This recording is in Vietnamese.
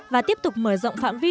và tiếp tục mở rộng phạm vi